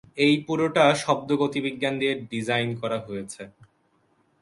এই পুরোটা শব্দ-গতিবিজ্ঞান দিয়ে ডিজাইন করা হয়েছে!